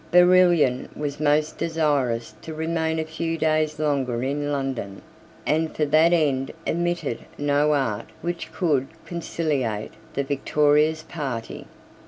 Barillon was most desirous to remain a few days longer in London, and for that end omitted no art which could conciliate the victorious party.